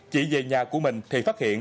chị về nhà của mình thì phát hiện